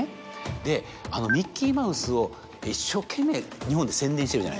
であのミッキーマウスを一生懸命日本で宣伝してるじゃないですか。